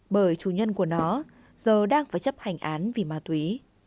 bởi chủ nhân của nó giờ đang phải chấp hành án vì ma túy